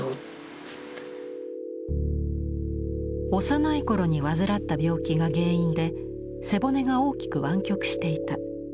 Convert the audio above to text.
幼い頃に患った病気が原因で背骨が大きく湾曲していた。